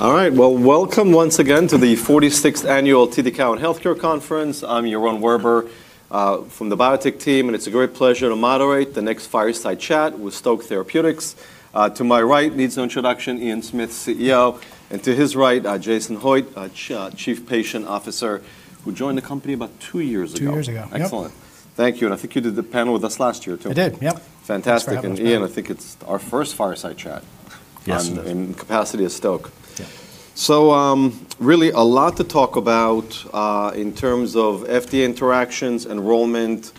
All right. Well, welcome once again to the forty-sixth Annual TD Cowen Healthcare Conference. I'm Yaron Werber, from the Biotech team, it's a great pleasure to moderate the next fireside chat with Stoke Therapeutics. To my right, needs no introduction, Ian Smith, CEO. To his right, Jason Hoitt, Chief Patient Officer, who joined the company about two years ago. Two years ago. Yep. Excellent. Thank you. I think you did the panel with us last year too. I did, yep. Fantastic. Thanks for having us back. Ian, I think it's our first fireside chat. Yes, it is. in capacity at Stoke. Yeah. Really a lot to talk about, in terms of FDA interactions, enrollment,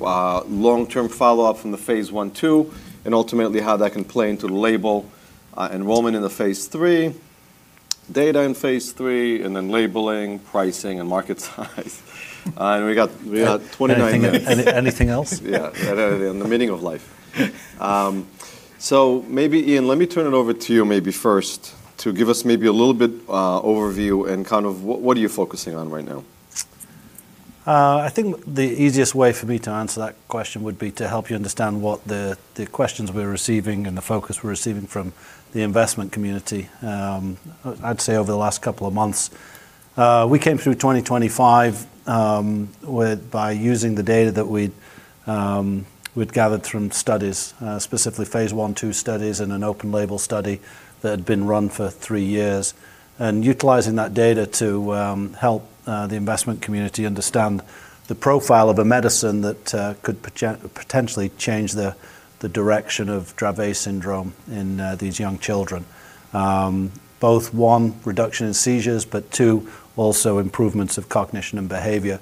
long-term follow-up from the phase one, two, and ultimately how that can play into label, enrollment in the phase three, data in phase three, and then labeling, pricing, and market size. We have 29 minutes. Anything else? Yeah. And the meaning of life. Maybe, Ian, let me turn it over to you maybe first to give us maybe a little bit overview and kind of what are you focusing on right now? I think the easiest way for me to answer that question would be to help you understand what the questions we're receiving and the focus we're receiving from the investment community, I'd say over the last couple of months. We came through 2025 by using the data that we'd gathered from studies, specifically phase I, II studies and an open-label study that had been run for three years, and utilizing that data to help the investment community understand the profile of a medicine that could potentially change the direction of Dravet syndrome in these young children. Both, one, reduction in seizures, but two, also improvements of cognition and behavior.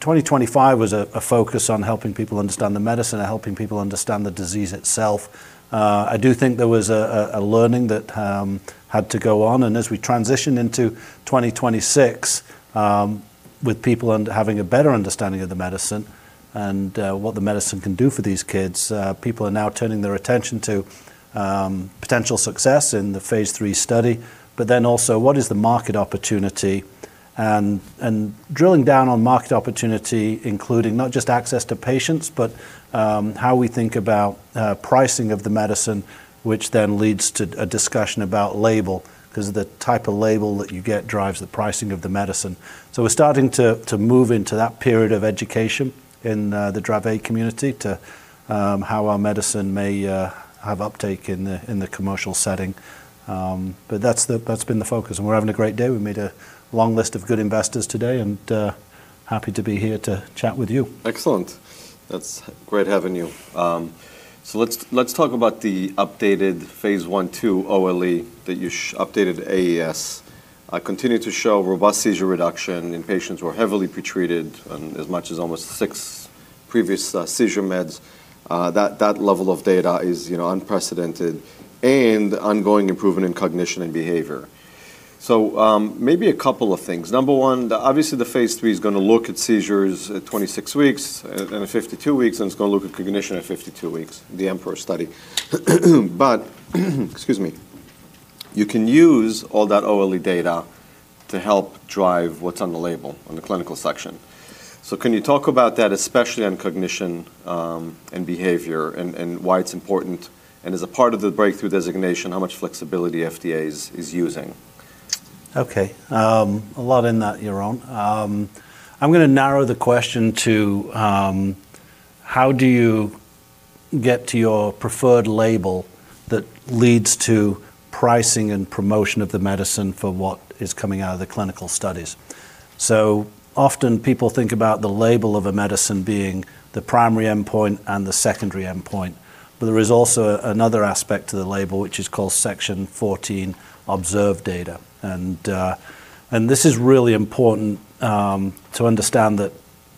2025 was a focus on helping people understand the medicine and helping people understand the disease itself. I do think there was a learning that had to go on. As we transition into 2026, with people having a better understanding of the medicine and what the medicine can do for these kids, people are now turning their attention to potential success in the phase III study. What is the market opportunity? Drilling down on market opportunity, including not just access to patients, but how we think about pricing of the medicine, which then leads to a discussion about label, 'cause the type of label that you get drives the pricing of the medicine. We're starting to move into that period of education in the Dravet community to how our medicine may have uptake in the commercial setting. That's been the focus, and we're having a great day. We made a long list of good investors today, and happy to be here to chat with you. Excellent. That's great having you. Let's talk about the updated phase I, II OLE that you updated AES continue to show robust seizure reduction in patients who are heavily pretreated on as much as almost six previous seizure meds. That level of data is, you know, unprecedented and ongoing improvement in cognition and behavior. Maybe a couple of things. Number one, obviously, the phase III is gonna look at seizures at 26 weeks and at 52 weeks, and it's gonna look at cognition at 52 weeks, the EMPEROR study. Excuse me. You can use all that OLE data to help drive what's on the label on the clinical section. Can you talk about that, especially on cognition, and behavior and why it's important, and as a part of the Breakthrough designation, how much flexibility FDA is using? Okay. A lot in that, Yaron. I'm gonna narrow the question to how do you get to your preferred label that leads to pricing and promotion of the medicine for what is coming out of the clinical studies? Often people think about the label of a medicine being the primary endpoint and the secondary endpoint, but there is also another aspect to the label which is called Section 14, CLINICAL STUDIES. This is really important to understand that,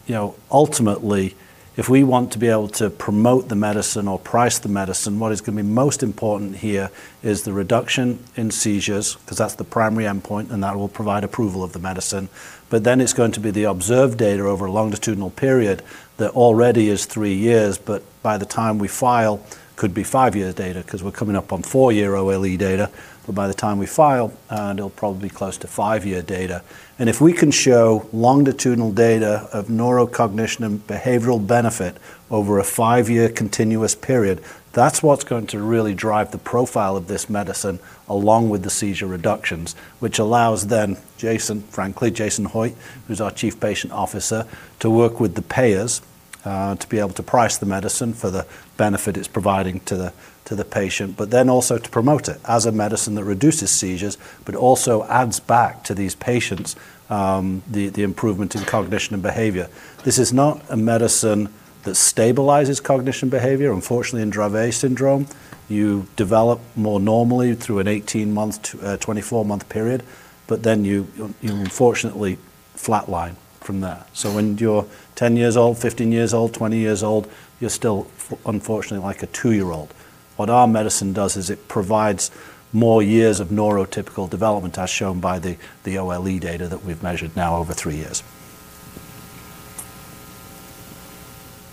you know, ultimately, if we want to be able to promote the medicine or price the medicine, what is gonna be most important here is the reduction in seizures, 'cause that's the primary endpoint, and that will provide approval of the medicine. It's going to be the observed data over a longitudinal period that already is three years, but by the time we file, could be five years data, 'cause we're coming up on four-year OLE data. By the time we file, it'll probably be close to five-year data. If we can show longitudinal data of neurocognition and behavioral benefit over a five-year continuous period, that's what's going to really drive the profile of this medicine along with the seizure reductions, which allows then Jason, frankly, Jason Hoitt, who's our Chief Patient Officer, to work with the payers to be able to price the medicine for the benefit it's providing to the patient, but then also to promote it as a medicine that reduces seizures but also adds back to these patients the improvement in cognition and behavior. This is not a medicine that stabilizes cognition behavior. Unfortunately, in Dravet syndrome, you develop more normally through an 18-month to a 24-month period, you unfortunately flatline from there. When you're 10 years old, 15 years old, 20 years old, you're still unfortunately like a two-year-old. What our medicine does is it provides more years of neurotypical development as shown by the OLE data that we've measured now over three years.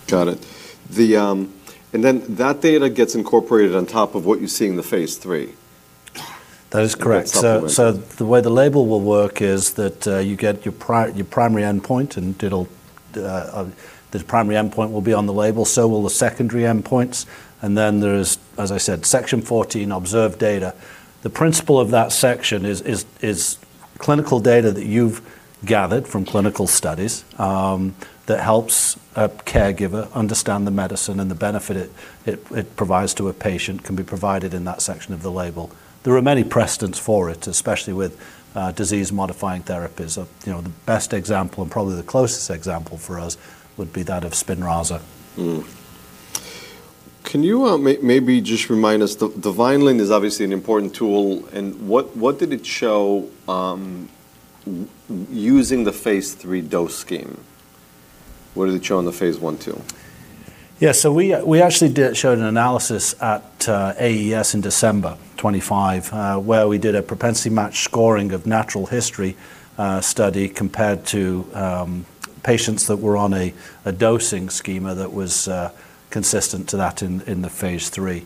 Got it. Then that data gets incorporated on top of what you see in the phase III? That is correct. The way the label will work is that, you get your primary endpoint, and it'll, the primary endpoint will be on the label, so will the secondary endpoints. There's, as I said, Section 14 observed data. The principle of that section is clinical data that you've gathered from clinical studies, that helps a caregiver understand the medicine and the benefit it provides to a patient can be provided in that section of the label. There are many precedents for it, especially with disease-modifying therapies. You know, the best example, and probably the closest example for us would be that of SPINRAZA. Can you maybe just remind us the Vineland is obviously an important tool and what did it show using the phase III dose scheme? What did it show on the phase I, II? Yeah. We actually did show an analysis at AES in December 2025, where we did a propensity score matching of natural history study compared to patients that were on a dosing schema that was consistent to that in the phase III.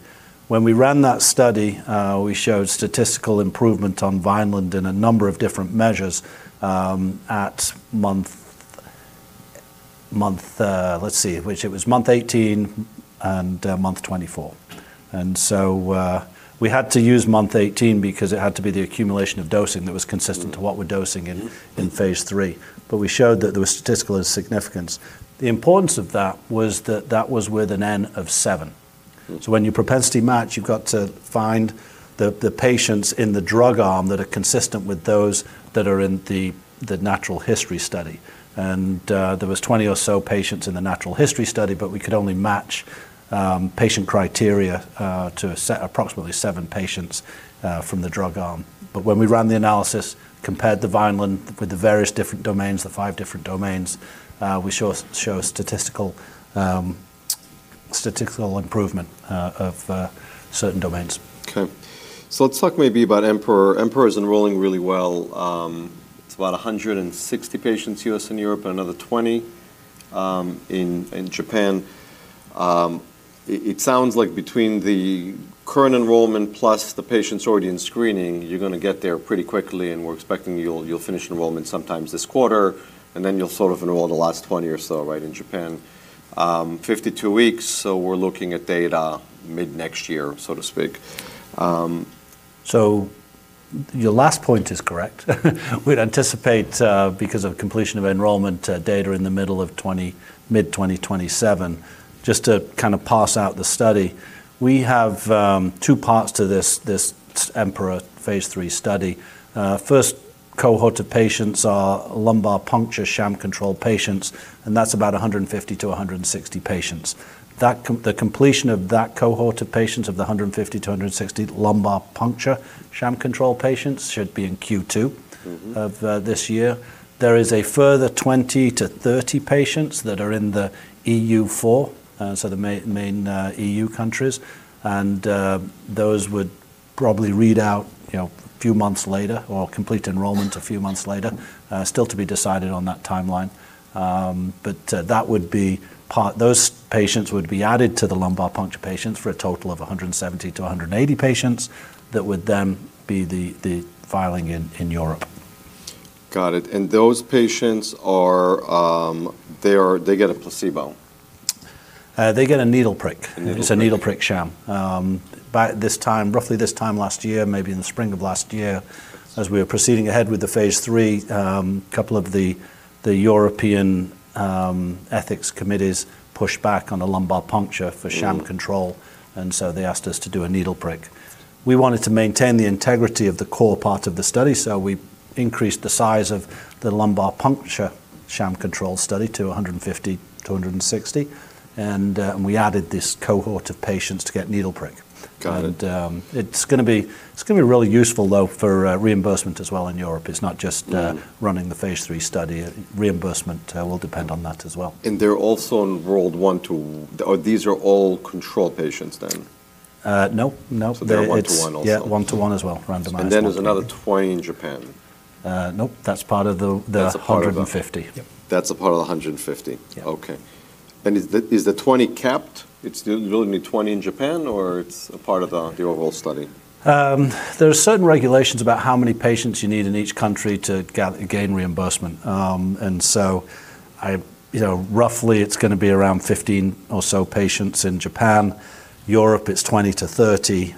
When we ran that study, we showed statistical improvement on Vineland in a number of different measures, at month, let's see, which it was month 18 and month 24. We had to use month 18 because it had to be the accumulation of dosing that was consistent to what we're dosing in phase III. We showed that there was statistical significance. The importance of hat was that that was with an N of seven. Mm. When you propensity match, you've got to find the patients in the drug arm that are consistent with those that are in the natural history study. There was 20 or so patients in the natural history study, but we could only match patient criteria to approximately seven patients from the drug arm. When we ran the analysis, compared the Vineland with the various different domains, the five different domains, we show statistical improvement of certain domains. Okay. Let's talk maybe about EMPEROR. EMPEROR is enrolling really well. It's about 160 patients US and Europe, another 20 in Japan. It sounds like between the current enrollment plus the patients already in screening, you're gonna get there pretty quickly, we're expecting you'll finish enrollment sometimes this quarter, then you'll sort of enroll the last 20 or so, right, in Japan. 52 weeks, we're looking at data mid-next year, so to speak. Your last point is correct. We'd anticipate because of completion of enrollment data in the middle of mid-2027. Just to kind of parse out the study, we have two parts to this EMPEROR phase III study. First cohort of patients are lumbar puncture sham control patients, that's about 150-160 patients. That the completion of that cohort of patients of the 150-160 lumbar puncture sham control patients should be in Q2. Mm-hmm... of this year. There is a further 20-30 patients that are in the EU IV, so the main EU countries, Those would probably read out, you know, a few months later or complete enrollment a few months later, still to be decided on that timeline. Those patients would be added to the lumbar puncture patients for a total of 170-180 patients. That would then be the filing in Europe. Got it. Those patients are, they get a placebo. They get a needle prick. A needle prick. It's a needle prick sham. By this time, roughly this time last year, maybe in the spring of last year, as we were proceeding ahead with the phase III, couple of the European, ethics committees pushed back on a lumbar puncture for sham control. They asked us to do a needle prick. We wanted to maintain the integrity of the core part of the study, so we increased the size of the lumbar puncture sham control study to 150-160. We added this cohort of patients to get needle prick. Got it. It's gonna be really useful though for reimbursement as well in Europe. It's not just. Mm running the phase III study. Reimbursement, will depend on that as well. These are all control patients then? No. No. They're one to one also. Yeah, to one as well, randomized- Then there's another 20 in Japan. nope. That's part of the. That's a part of.... 150. Yep. That's a part of the 150. Yeah. Okay. Is the 20 capped? It's still going to be 20 in Japan, or it's a part of the overall study? There are certain regulations about how many patients you need in each country to gain reimbursement. You know, roughly, it's gonna be around 15 or so patients in Japan. Europe, it's 20-30.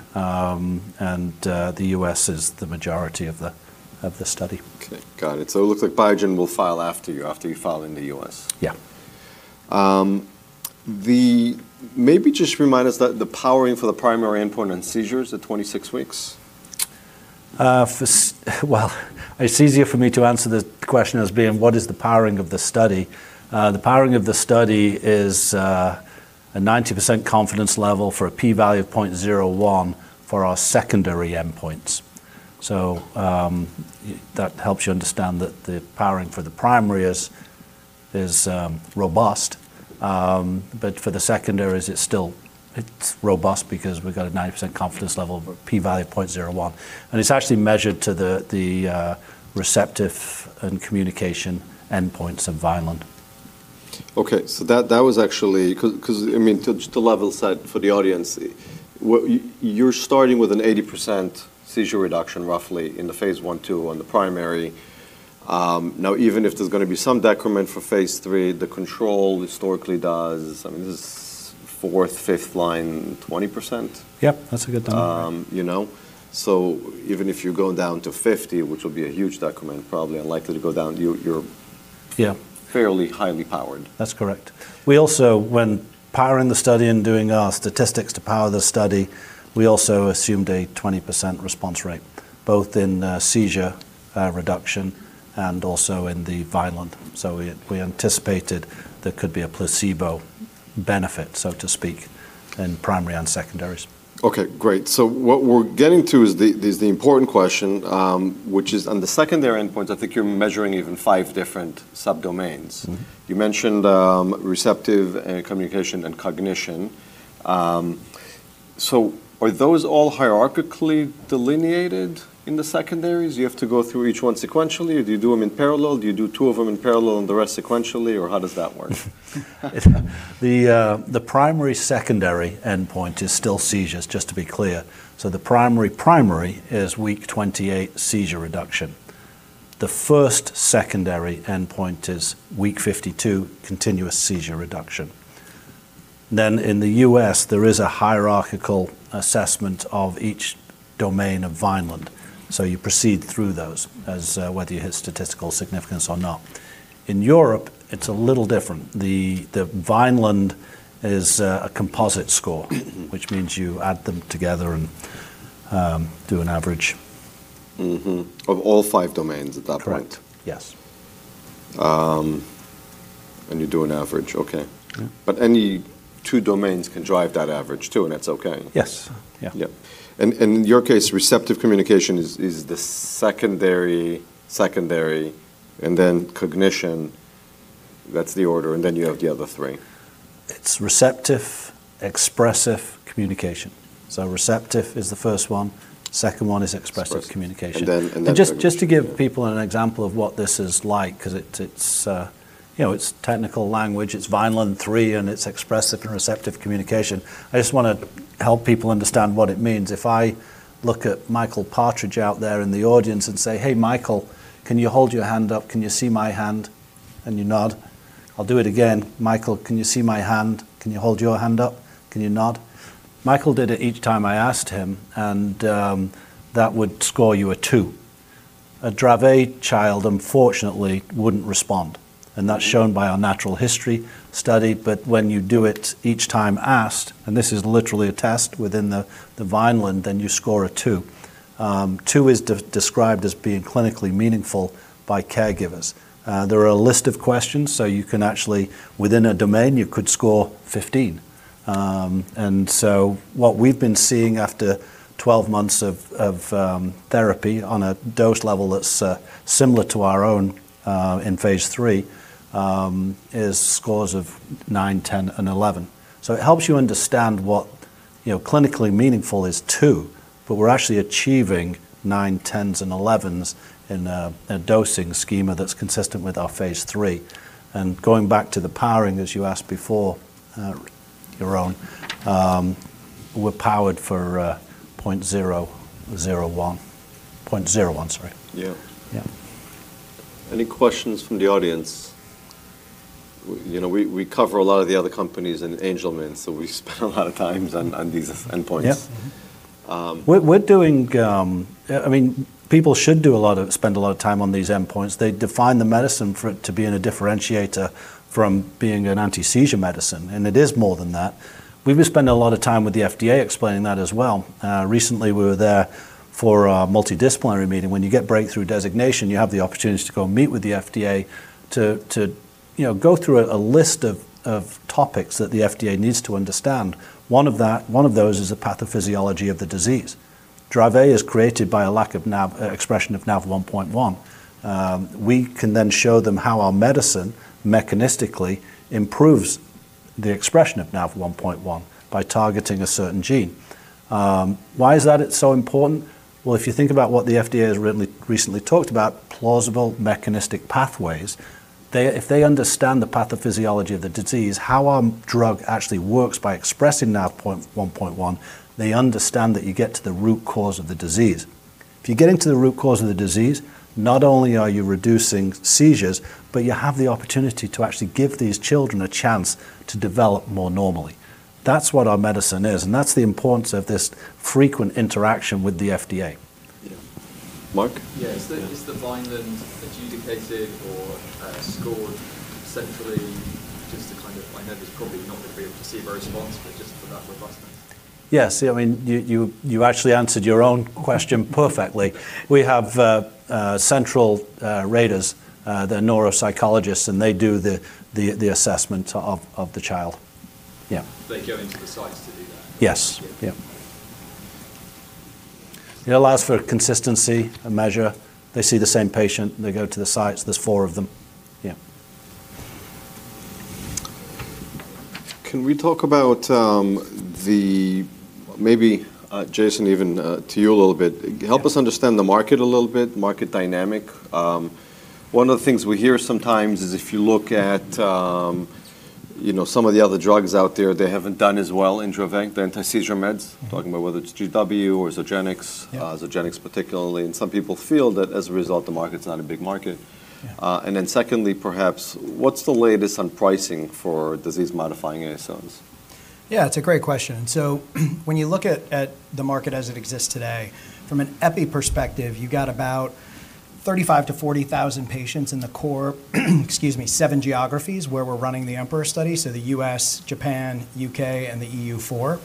The U.S. is the majority of the study. Okay. Got it. It looks like Biogen will file after you, after you file in the U.S. Yeah. Maybe just remind us the powering for the primary endpoint on seizures at 26 weeks? Well, it's easier for me to answer the question as being what is the powering of the study. The powering of the study is a 90% confidence level for a p-value of 0.01 for our secondary endpoints. That helps you understand that the powering for the primary is robust. For the secondaries, it's still, it's robust because we've got a 90% confidence level, but p-value of 0.01. It's actually measured to the receptive and communication endpoints of Vineland. Okay. That was actually... I mean, to level set for the audience, you're starting with an 80% seizure reduction roughly in the phase I, IIon the primary. Even if there's gonna be some decrement for phase III, the control historically does, I mean, this is fourth, fifth line, 20%? Yep. That's a good number. you know. Even if you're going down to 50, which will be a huge decrement, probably unlikely to go down, you're Yeah fairly highly powered. That's correct. We also When powering the study and doing our statistics to power the study, we also assumed a 20% response rate, both in seizure reduction and also in the Vineland. We anticipated there could be a placebo benefit, so to speak, in primary and secondaries. Okay, great. What we're getting to is the important question, which is on the secondary endpoints, I think you're measuring even five different subdomains. Mm-hmm. You mentioned, receptive communication and cognition. Are those all hierarchically delineated in the secondaries? You have to go through each one sequentially? Do you do them in parallel? Do you do two of them in parallel and the rest sequentially? How does that work? The primary, secondary endpoint is still seizures, just to be clear. The primary is week 28 seizure reduction. The first secondary endpoint is week 52 continuous seizure reduction. In the U.S., there is a hierarchical assessment of each domain of Vineland. You proceed through those as whether you hit statistical significance or not. In Europe, it's a little different. The Vineland is a composite score, which means you add them together and do an average. Mm-hmm. Of all five domains at that point? Correct, yes. You do an average. Okay. Yeah. Any two domains can drive that average too, and that's okay? Yes. Yeah. Yep. In your case, receptive communication is the secondary and then cognition. That's the order. Then you have the other three. It's receptive, expressive communication. Receptive is the first one. Second one is expressive- Expressive... communication. Cognition. Yeah. Just to give people an example of what this is like 'cause it's, you know, it's technical language. It's Vineland-3, and it's expressive and receptive communication. I just wanna help people understand what it means. If I look at Michael Partridge out there in the audience and say, "Hey, Michael, can you hold your hand up? Can you see my hand?" You nod. I'll do it again. "Michael, can you see my hand? Can you hold your hand up? Can you nod?" Michael did it each time I asked him, and that would score you a two. A Dravet child, unfortunately, wouldn't respond, and that's shown by our natural history study. When you do it each time asked, and this is literally a test within the Vineland, then you score a two. two is described as being clinically meaningful by caregivers. There are a list of questions. You can actually, Within a domain, you could score 15. What we've been seeing after 12 months of therapy on a dose level that's similar to our own in phase III is scores of nine, 10 and 11. It helps you understand what, you know, clinically meaningful is two, but we're actually achieving nine, 10s and 11s in adosing schema that's consistent with our phase III. Going back to the powering, as you asked before, Yaron, we're powered for 0.001. 0.01, sorry. Yeah. Yeah. Any questions from the audience? You know, we cover a lot of the other companies in Angelman. We spend a lot of times on these endpoints. Yeah. Um- We're, we're doing, I mean, people should spend a lot of time on these endpoints. They define the medicine for it to be in a differentiator from being an anti-seizure medicine, and it is more than that. We've been spending a lot of time with the FDA explaining that as well. Recently we were there for a multidisciplinary meeting. When you get Breakthrough designation, you have the opportunity to go meet with the FDA to, you know, go through a list of topics that the FDA needs to understand. One of those is the pathophysiology of the disease. Dravet is created by a lack of expression of NaV1.1. We can then show them how our medicine mechanistically improves the expression of NaV1.1 by targeting a certain gene. Why is that so important? If you think about what the FDA has written recently talked about plausible mechanistic pathways, if they understand the pathophysiology of the disease, how our drug actually works by expressing NaV1.1, they understand that you get to the root cause of the disease. If you're getting to the root cause of the disease, not only are you reducing seizures, but you have the opportunity to actually give these children a chance to develop more normally. That's what our medicine is, that's the importance of this frequent interaction with the FDA. Yeah. Mark? Yeah. Is the Vineland adjudicated or scored centrally? Just to kind of... I know there's probably not gonna be able to see a response, but just for that robustness. Yes. I mean, you actually answered your own question perfectly. We have central raters. They're neuropsychologists, and they do the assessment of the child. Yeah. They go into the sites to do that? Yes. Yeah. Yeah. It allows for consistency, a measure. They see the same patient. They go to the sites. There's four of them. Yeah. Can we talk about, maybe, Jason, even, to you a little bit. Yeah. Help us understand the market a little bit, market dynamic. One of the things we hear sometimes is if you look at, you know, some of the other drugs out there, they haven't done as well in Dravet, the anti-seizure meds. Mm-hmm. Talking about whether it's GW or Zogenix. Yeah. Zogenix particularly. Some people feel that as a result, the market's not a big market. Yeah. Secondly, perhaps, what's the latest on pricing for disease-modifying ASOs? Yeah, it's a great question. When you look at the market as it exists today, from an epi perspective, you got about 35,000-40,000 patients in the core, excuse me, seven geographies where we're running the EMPEROR study, the U.S., Japan, U.K., and the EU 4.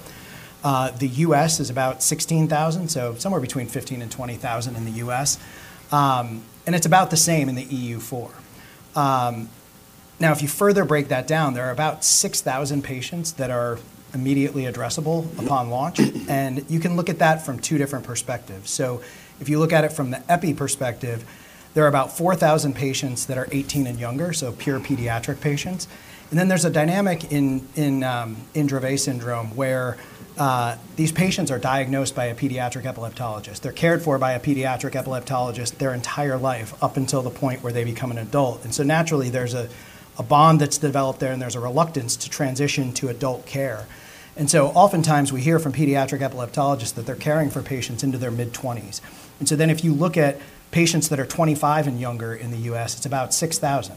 The U.S. is about 16,000, somewhere between 15,000 and 20,000 in the U.S. It's about the same in the EU 4. Now, if you further break that down, there are about 6,000 patients that are immediately addressable upon launch. You can look at that from two different perspectives. If you look at it from the epi perspective, there are about 4,000 patients that are 18 and younger, pure pediatric patients. There's a dynamic in Dravet syndrome where these patients are diagnosed by a pediatric epileptologist. They're cared for by a pediatric epileptologist their entire life up until the point where they become an adult. Naturally, there's a bond that's developed there, and there's a reluctance to transition to adult care. Oftentimes we hear from pediatric epileptologists that they're caring for patients into their mid-twenties. If you look at patients that are 25 and younger in the US, it's about 6,000.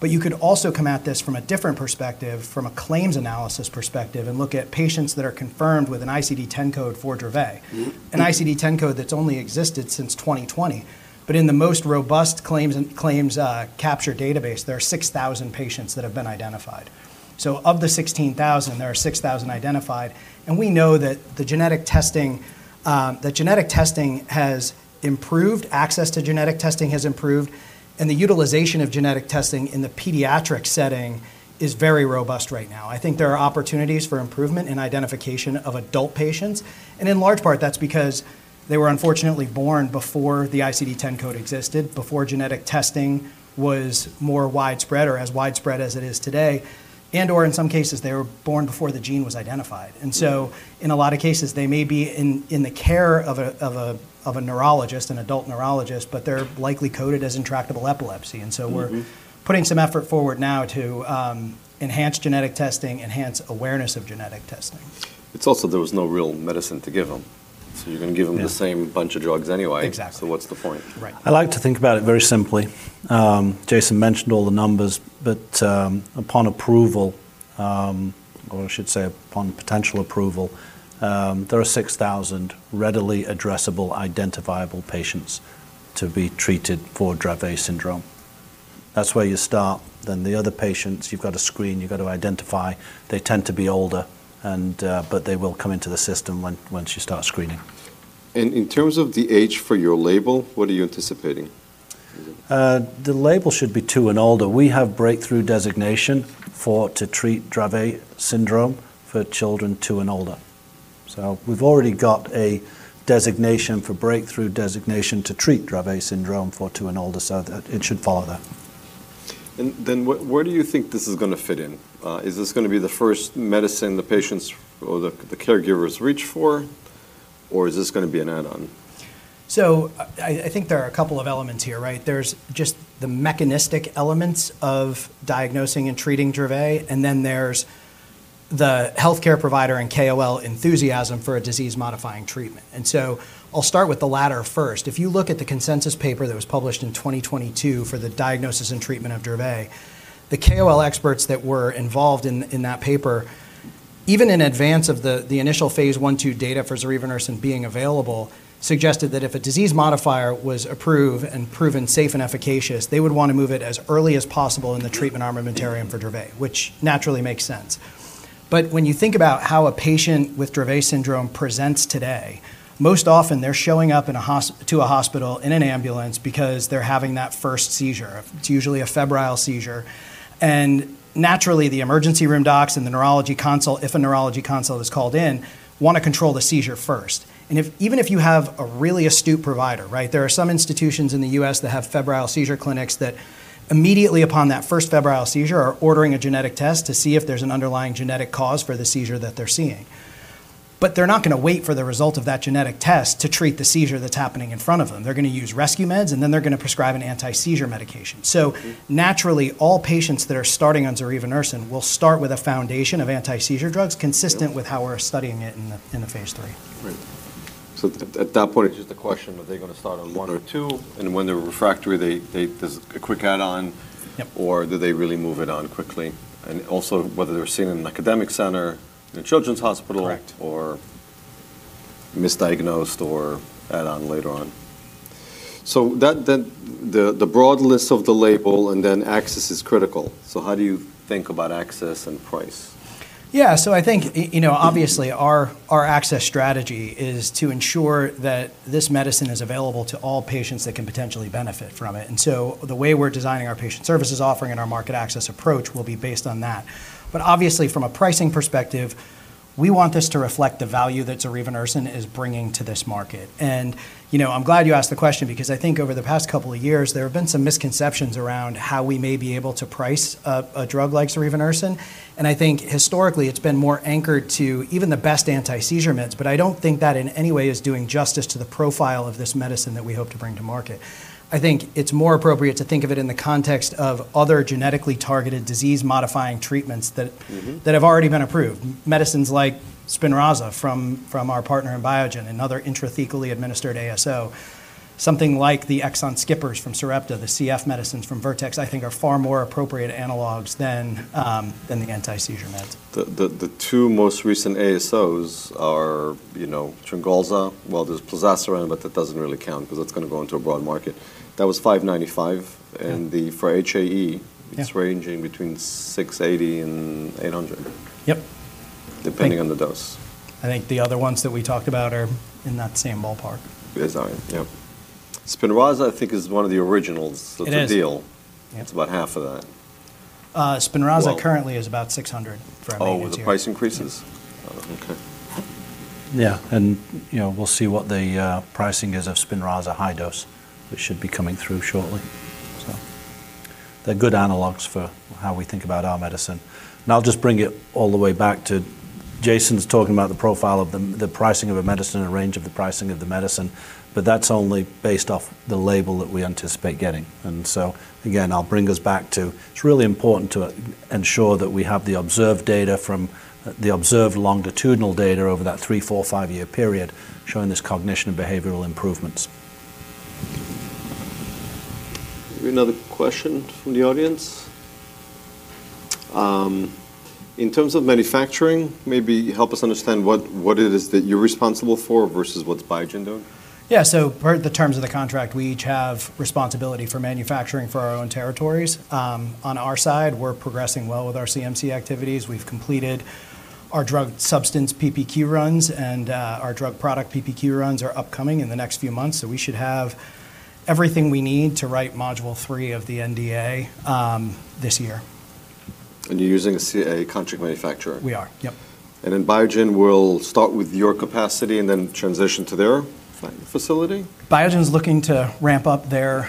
You could also come at this from a different perspective, from a claims analysis perspective, and look at patients that are confirmed with an ICD-10 code for Dravet. Mm-hmm. An ICD-10 code that's only existed since 2020. In the most robust claims and claims, capture database, there are 6,000 patients that have been identified. Of the 16,000, there are 6,000 identified. We know that the genetic testing, the genetic testing has improved, access to genetic testing has improved, and the utilization of genetic testing in the pediatric setting is very robust right now. I think there are opportunities for improvement in identification of adult patients, and in large part, that's because they were unfortunately born before the ICD-10 code existed, before genetic testing was more widespread or as widespread as it is today, and/or in some cases, they were born before the gene was identified. In a lot of cases, they may be in the care of a neurologist, an adult neurologist, but they're likely coded as intractable epilepsy. Mm-hmm... putting some effort forward now to enhance genetic testing, enhance awareness of genetic testing. It's also there was no real medicine to give them. you're gonna give them- Yeah... the same bunch of drugs anyway. Exactly. What's the point? Right. I like to think about it very simply. Jason mentioned all the numbers, but, upon approval, or I should say upon potential approval, there are 6,000 readily addressable, identifiable patients to be treated for Dravet syndrome. That's where you start. The other patients, you've got to screen, you've got to identify. They tend to be older and, but they will come into the system once you start screening. In terms of the age for your label, what are you anticipating? The label should be two and older. We have Breakthrough designation to treat Dravet syndrome for children two and older. We've already got a designation for Breakthrough designation to treat Dravet syndrome for two and older, so that it should follow that. Where do you think this is gonna fit in? Is this gonna be the first medicine the patients or the caregivers reach for, or is this gonna be an add-on? I think there are a couple of elements here, right? There's just the mechanistic elements of diagnosing and treating Dravet, and then there's the healthcare provider and KOL enthusiasm for a disease-modifying treatment. I'll start with the latter first. If you look at the consensus paper that was published in 2022 for the diagnosis and treatment of Dravet, the KOL experts that were involved in that paper, even in advance of the initial phase I, II data for ZOREVUNERSEN being available, suggested that if a disease modifier was approved and proven safe and efficacious, they would wanna move it as early as possible in the treatment armamentarium for Dravet, which naturally makes sense. When you think about how a patient with Dravet syndrome presents today, most often they're showing up to a hospital in an ambulance because they're having that first seizure. It's usually a febrile seizure. Naturally, the emergency room docs and the neurology consult, if a neurology consult is called in, wanna control the seizure first. Even if you have a really astute provider, right? There are some institutions in the U.S. that have febrile seizure clinics that immediately upon that first febrile seizure are ordering a genetic test to see if there's an underlying genetic cause for the seizure that they're seeing. They're not gonna wait for the result of that genetic test to treat the seizure that's happening in front of them. They're gonna use rescue meds, and then they're gonna prescribe an anti-seizure medication. Naturally, all patients that are starting on ZOREVUNERSEN will start with a foundation of anti-seizure drugs consistent with how we're studying it in the phase three. Right. At that point, it's just a question, are they gonna start on one or two? When they're refractory, Does a quick add-on? Yep. Do they really move it on quickly? Whether they're seen in an academic center, in a children's hospital. Correct... or misdiagnosed or add on later on. The broad list of the label and then access is critical. How do you think about access and price? Yeah. I think, you know, obviously our access strategy is to ensure that this medicine is available to all patients that can potentially benefit from it. The way we're designing our patient services offering and our market access approach will be based on that. Obviously, from a pricing perspective, we want this to reflect the value that ZOREVUNERSEN is bringing to this market. You know, I'm glad you asked the question because I think over the past couple of years, there have been some misconceptions around how we may be able to price a drug like ZOREVUNERSEN. I think historically it's been more anchored to even the best anti-seizure meds. I don't think that in any way is doing justice to the profile of this medicine that we hope to bring to market. I think it's more appropriate to think of it in the context of other genetically targeted disease-modifying treatments that... Mm-hmm... that have already been approved. Medicines like SPINRAZA from our partner in Biogen, another intrathecally administered ASO. Something like the exon skippers from Sarepta, the CF medicines from Vertex, I think are far more appropriate analogs than the anti-seizure meds. The two most recent ASOs are, you know, SPINRAZA. Well, there's pimavanserin, but that doesn't really count 'cause that's gonna go into a broad market. That was $595- Yeah... for HAE. Yeah... it's ranging between $680 and $800. Yep... depending on the dose. I think the other ones that we talked about are in that same ballpark. Yes. Yep. SPINRAZA, I think is one of the originals- It is. of the deal. Yeah. It's about half of that. SPINRAZA currently is about $600 for every two. Oh, with the price increases? Yeah. Oh, okay. Yeah. You know, we'll see what the pricing is of SPINRAZA high dose, which should be coming through shortly. They're good analogs for how we think about our medicine. I'll just bring it all the way back to Jason Hoitt's talking about the profile of the pricing of a medicine and range of the pricing of the medicine, but that's only based off the label that we anticipate getting. Again, I'll bring us back to it's really important to ensure that we have the observed data from, the observed longitudinal data over that three, four, five-year period showing this cognition and behavioral improvements. Maybe another question from the audience. In terms of manufacturing, maybe help us understand what it is that you're responsible for versus what's Biogen doing? Yeah. Per the terms of the contract, we each have responsibility for manufacturing for our own territories. On our side, we're progressing well with our CMC activities. We've completed our drug substance PPQ runs, our drug product PPQ runs are upcoming in the next few months. We should have everything we need to write module three of the NDA this year. You're using a C.A., a contract manufacturer? We are. Yep. Biogen will start with your capacity and then transition to their manufacturing facility? Biogen's looking to ramp up their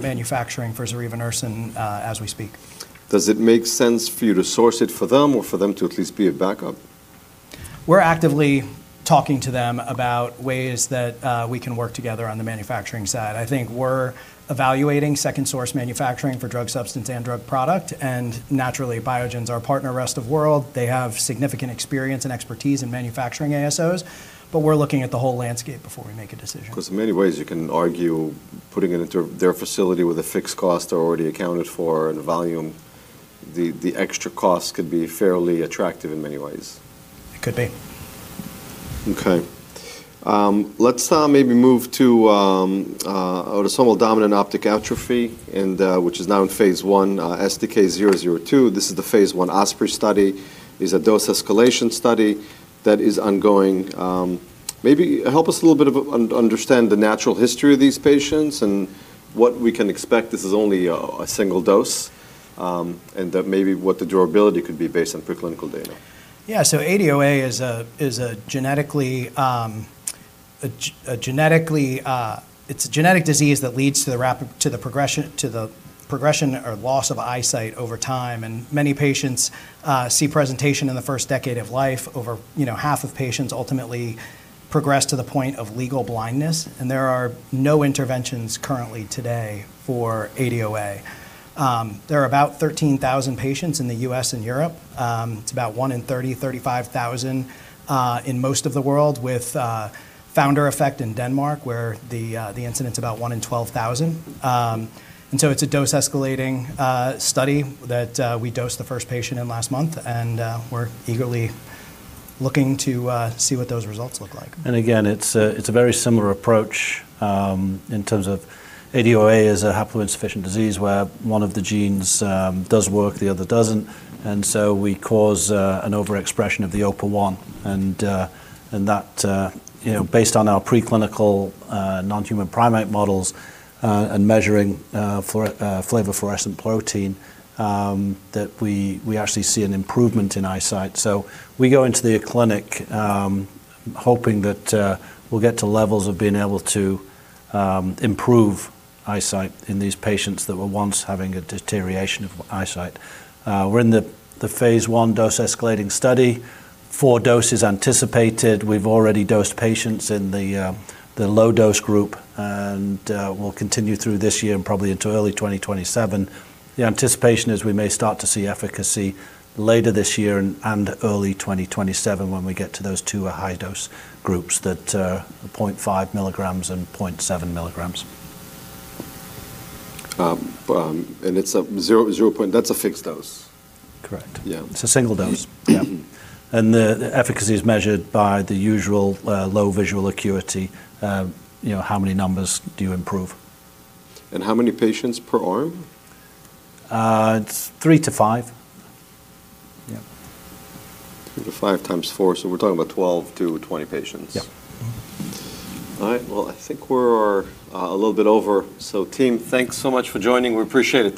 manufacturing for ZOREVUNERSEN as we speak. Does it make sense for you to source it for them or for them to at least be a backup? We're actively talking to them about ways that we can work together on the manufacturing side. I think we're evaluating second source manufacturing for drug substance and drug product. Naturally, Biogen's our partner rest of world. They have significant experience and expertise in manufacturing ASOs. We're looking at the whole landscape before we make a decision. 'Cause in many ways you can argue putting it into their facility with a fixed cost already accounted for and the volume, the extra cost could be fairly attractive in many ways. It could be. Okay. Let's maybe move to Autosomal Dominant Optic Atrophy and which is now in phase I, STK-002. This is the phase 1 OSPREY study. It's a dose escalation study that is ongoing. Maybe help us a little bit of understand the natural history of these patients and what we can expect. This is only a single dose, and that maybe what the durability could be based on preclinical data. Yeah. ADOA is a genetic disease that leads to the progression or loss of eyesight over time, and many patients see presentation in the first decade of life. Over, you know, half of patients ultimately progress to the point of legal blindness, and there are no interventions currently today for ADOA. There are about 13,000 patients in the U.S. and Europe. It's about one in 30,000-35,000 in most of the world with founder effect in Denmark, where the incidence is about one in 12,000. It's a dose escalating study that we dosed the first patient in last month, and we're eagerly looking to see what those results look like. It's a very similar approach in terms of ADOA is a haploinsufficient disease where one of the genes does work, the other doesn't. We cause an overexpression of the OPA1 and that, you know, based on our preclinical non-human primate models, and measuring flavin-based fluorescent protein, that we actually see an improvement in eyesight. We go into the clinic hoping that we'll get to levels of being able to improve eyesight in these patients that were once having a deterioration of eyesight. We're in the phase 1 dose escalating study. 4 doses anticipated. We've already dosed patients in the low dose group, and we'll continue through this year and probably into early 2027. The anticipation is we may start to see efficacy later this year and early 2027 when we get to those two high dose groups that the 0.5 milligrams and 0.7 milligrams. it's a 0.0... That's a fixed dose? Correct. Yeah. It's a single dose. Mm-hmm. The efficacy is measured by the usual, Best-Corrected Visual Acuity, you know, how many numbers do you improve. How many patients per arm? it's three to five. Yeah. 3x to 5x 4x. We're talking about 12 to 20 patients. Yep. All right. Well, I think we're a little bit over. Team, thanks so much for joining. We appreciate it.